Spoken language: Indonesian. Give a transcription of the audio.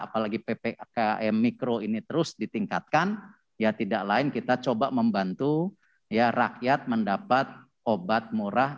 apalagi ppkm mikro ini terus ditingkatkan tidak lain kita coba membantu rakyat mendapat obat murah